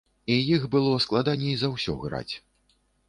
І іх было складаней за ўсё граць.